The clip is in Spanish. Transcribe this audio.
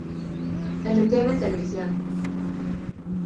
Entertainment Televisión.